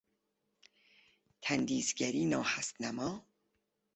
تندیس گری ناهستنما